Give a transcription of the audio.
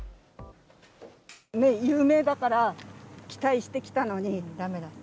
有名だから期待して来たのに、だめだった。